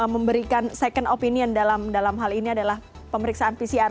memberikan second opinion dalam hal ini adalah pemeriksaan pcr